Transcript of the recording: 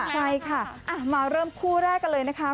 ใช่ค่ะมาเริ่มคู่แรกกันเลยนะคะ